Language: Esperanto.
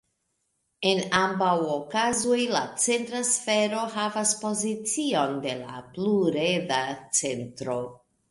En ambaŭ okazoj la centra sfero havas pozicion de la pluredra centro.